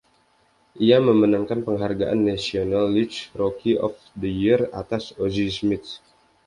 Ia memenangkan penghargaan National League Rookie of the Year atas Ozzie Smith.